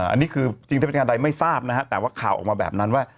อันนี้คือจริงถ้าเป็นการใดไม่ทราบนะฮะแต่ว่าข่าวออกมาแบบนั้นว่า